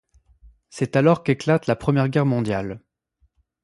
C'est alors qu'éclate la Première Guerre mondiale.